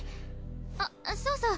あっそうそう！